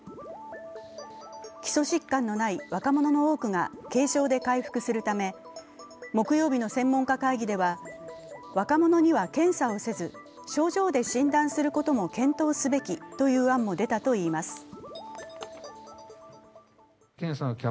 基礎疾患のない若者の多くが軽症で回復するため木曜日の専門家会議では若者には検査をせず症状で診断することも検討すべきとの案も出たといいます。